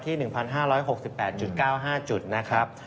๑๕๖๘๙๕จุดนะครับ